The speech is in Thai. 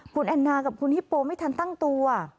คุณแอนนากับคุณฮิปโปไม่ทันตั้งตัว